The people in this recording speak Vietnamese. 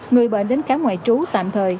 người bệnh đến khám ngoại trú tạm thời